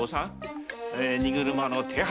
荷車の手配を。